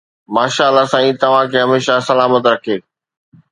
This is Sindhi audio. ماشاءالله سائين توهان کي هميشه سلامت رکي